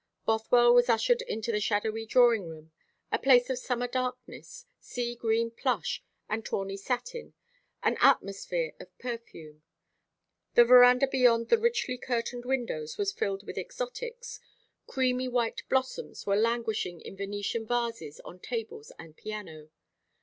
Bothwell was ushered into the shadowy drawing room a place of summer darkness, sea green plush and tawny satin, an atmosphere of perfume. The verandah beyond the richly curtained windows was filled with exotics; creamy white blossoms were languishing in Venetian vases on tables and piano.